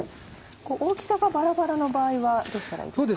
大きさがバラバラの場合はどうしたらいいですか？